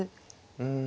うん。